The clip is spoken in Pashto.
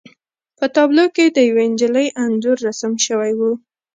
په تابلو کې د یوې نجلۍ انځور رسم شوی و